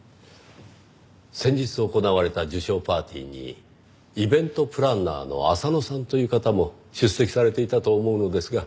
先日行われた受賞パーティーにイベントプランナーの浅野さんという方も出席されていたと思うのですが。